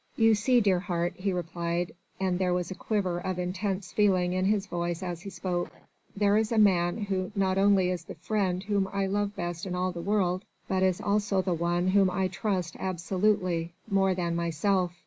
"You see, dear heart," he replied, and there was a quiver of intense feeling in his voice as he spoke, "there is a man who not only is the friend whom I love best in all the world, but is also the one whom I trust absolutely, more than myself.